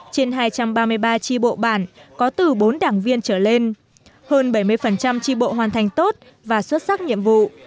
hai trăm một mươi hai trên hai trăm ba mươi ba chị bộ bản có từ bốn đảng viên trở lên hơn bảy mươi chị bộ hoàn thành tốt và xuất sắc nhiệm vụ